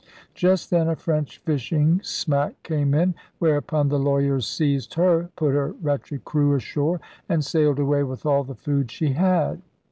Just then a French fishing smack came in; whereupon the lawyers seized her, put her wretched crew ashore, and sailed away with all the food she had.